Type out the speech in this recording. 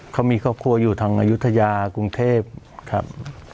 เขามีครอบครัวอยู่ทางอายุทยากรุงเทพครับ